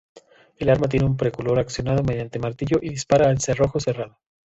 El arma tiene un percutor accionado mediante martillo y dispara a cerrojo cerrado.